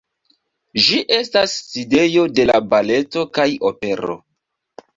Ĝi estas sidejo de la baleto kaj opero.